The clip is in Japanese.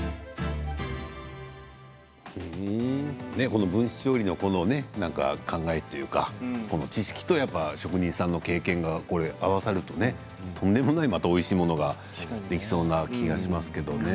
この分子調理の考えというか知識と職人さんの経験が合わさるととんでもないまたおいしいものができそうな気がしますけどね。